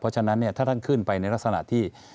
เพราะฉะนั้นถ้าท่านขึ้นไปในลักษณะที่